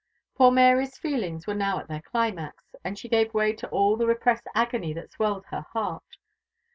Poor Mary's feelings were now at their climax, and she gave way to all the repressed agony that swelled her heart.